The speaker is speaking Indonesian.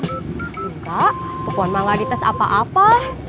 enggak popon malah dites apa apa